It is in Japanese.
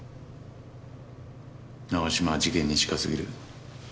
永嶋は事件に近すぎる。